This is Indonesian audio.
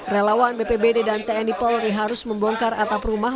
relawan bpbd dan tni polri harus membongkar atap rumah